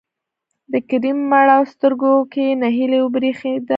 د کريم مړاوو سترګو کې نهيلي وبرېښېده.